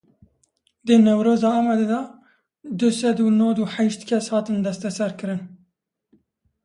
Di Newroza Amedê de du sed û nod û heşt kes hatin desteserkirin.